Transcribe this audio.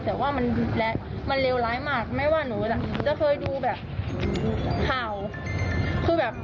เอ่อมีพัดลมมีวายมีมือ